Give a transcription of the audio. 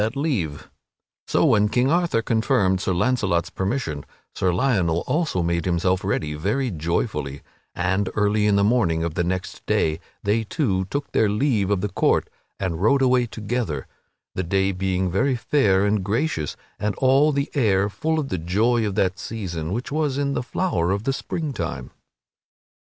[Sidenote: Sir Launcelot and Sir Lionel depart in search of adventure] So when King Arthur confirmed Sir Launcelot's permission Sir Lionel also made himself ready very joyfully, and early of the morning of the next day they two took their leave of the court and rode away together; the day being very fair and gracious and all the air full of the joy of that season which was in the flower of the spring time.